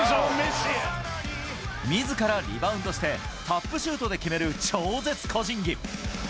みずからリバウンドして、タップシュートで決める超絶個人技。